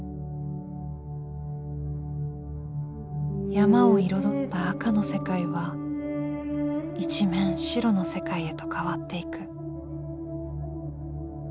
山を彩った赤の世界は一面白の世界へと変わっていく。